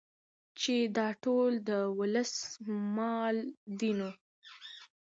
چې دا ټول د ولس مال دى نو